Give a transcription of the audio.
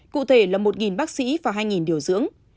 cụ thể là một bác sĩ và hai điều dưỡng